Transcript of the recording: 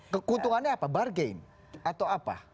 keuntungannya apa bargain atau apa